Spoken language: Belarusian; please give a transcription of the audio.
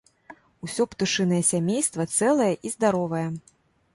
Усё птушынае сямейства цэлае і здаровае.